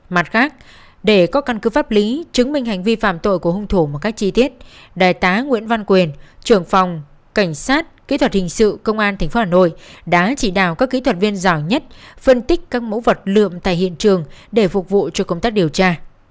mặt khác để có căn cứ pháp lý chứng minh hành vi phạm tội của hung thủ một cách chi tiết đại tá nguyễn văn quyền trưởng phòng cảnh sát kỹ thuật hình sự công an tp hà nội đã chỉ đạo các kỹ thuật viên giỏi nhất phân tích các mẫu vật lượm tại hiện trường để phục vụ cho công tác điều tra